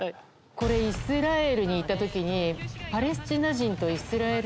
これイスラエルに行った時に。